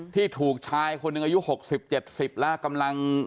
ที่ถูกชายคนหนึ่งอายุ๖๐๗๐แล้วกำลัง